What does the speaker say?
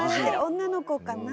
女の子かな。